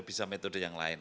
bisa metode yang lain